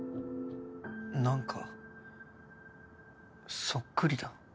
何かそっくりだ。